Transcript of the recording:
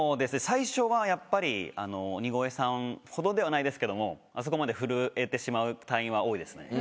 最初はやっぱり鬼越さんほどではないですけどもあそこまで震えてしまう隊員は多いですね。